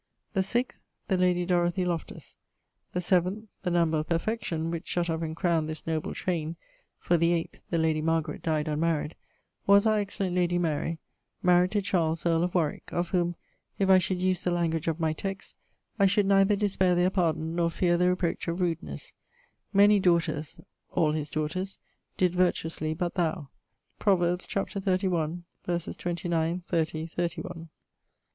the sixth, the lady Dorothy Loftus; the seaventh, (the number of perfection) which shutt up and crown'd this noble train (for the eighth, the lady Margaret, died unmaried), was our excellent lady Mary, married to Charles, earle of Warwick; of whom, if I should use the language of my text, I should neither despair their pardon, nor fear the reproach of rudeness Many daughters, all his daughters, did virtuously but thou PROV. xxxi. 29, 30, 31. But shee[XXVII.